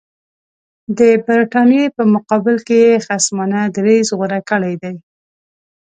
د برټانیې په مقابل کې یې خصمانه دریځ غوره کړی دی.